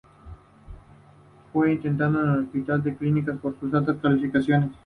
Fue interno del Hospital de Clínicas por sus altas calificaciones.